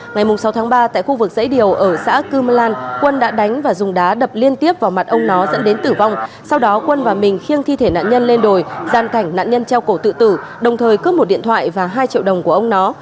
ngày sáu tháng ba tại khu vực dãy điều ở xã cư lan quân đã đánh và dùng đá đập liên tiếp vào mặt ông nó dẫn đến tử vong sau đó quân và mình khiêng thi thể nạn nhân lên đồi gian cảnh nạn nhân treo cổ tự tử đồng thời cướp một điện thoại và hai triệu đồng của ông nó